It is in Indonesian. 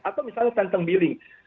atau misalnya penteng biling